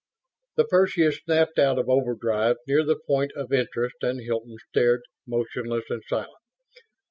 II The Perseus snapped out of overdrive near the point of interest and Hilton stared, motionless and silent.